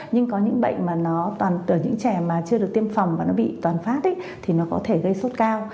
nhưng có những bệnh mà nó những trẻ mà chưa được tiêm phòng và nó bị toàn phát thì nó có thể gây sốt cao